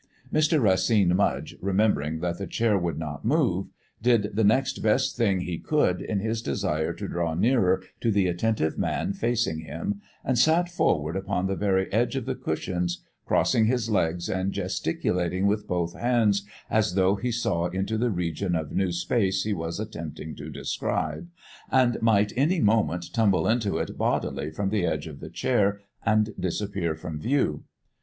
Mr. Racine Mudge, remembering that the chair would not move, did the next best thing he could in his desire to draw nearer to the attentive man facing him, and sat forward upon the very edge of the cushions, crossing his legs and gesticulating with both hands as though he saw into this region of new space he was attempting to describe, and might any moment tumble into it bodily from the edge of the chair and disappear from view.